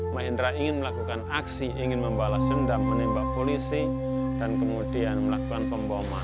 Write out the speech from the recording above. mahendra ingin melakukan aksi ingin membalas dendam menembak polisi dan kemudian melakukan pemboman